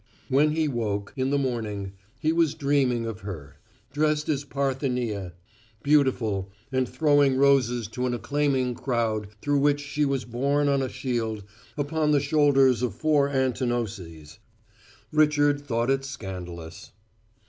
When he woke, in the morning, he was dreaming of her: dressed as Parthenia, beautiful, and throwing roses to an acclaiming crowd through which she was borne on a shield upon the shoulders of four Antinouses. Richard thought it scandalous.